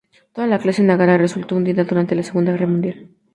Toda la clase Nagara resultó hundida durante la Segunda Guerra Mundial.